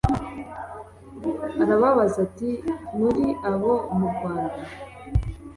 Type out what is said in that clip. arababaza ati “Muri abo mu Rwanda